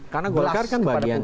karena golkar kan bagian